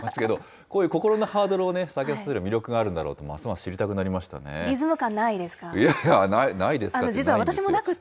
こういう心のハードルを下げる魅力があるんだろうと、ますます知リズム感ないですか？